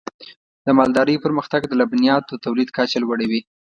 د مالدارۍ پرمختګ د لبنیاتو د تولید کچه لوړوي.